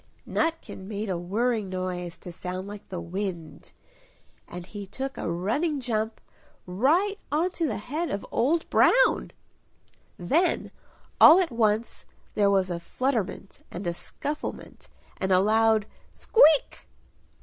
Nutkin made a whirring noise to sound like the wind, and he took a running jump right onto the head of Old Brown!... Then all at once there was a flutterment and a scufflement and a loud "Squeak!"